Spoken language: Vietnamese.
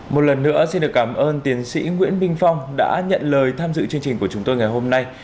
một lần nữa xin được cảm ơn tiến sĩ nguyễn minh phong đã nhận lời tham dự chương trình của chúng tôi ngày hôm nay